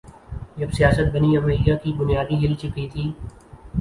جب سیاست بنی امیہ کی بنیادیں ہل چکی تھیں